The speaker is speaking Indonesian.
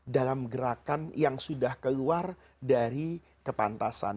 dalam gerakan yang sudah keluar dari kepantasan